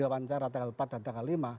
wawancara tanggal empat dan tanggal lima